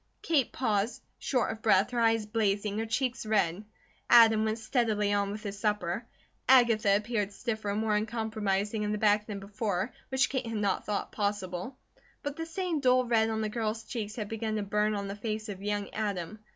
Kate paused, short of breath, her eyes blazing, her cheeks red. Adam went steadily on with his supper. Agatha appeared stiffer and more uncompromising in the back than before, which Kate had not thought possible. But the same dull red on the girl's cheeks had begun to burn on the face of young Adam.